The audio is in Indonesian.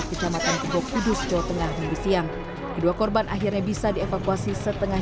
kecamatan kebok kudus jawa tengah minggu siang kedua korban akhirnya bisa dievakuasi setengah